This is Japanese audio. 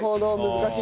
難しい！